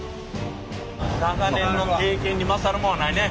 長年の経験に勝るもんはないね。